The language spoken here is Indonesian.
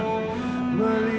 ma aku masih di dunia